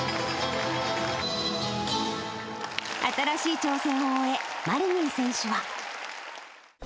新しい挑戦を終え、マリニン選手は。